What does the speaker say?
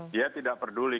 dia tidak peduli